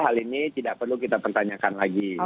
hal ini tidak perlu kita pertanyakan lagi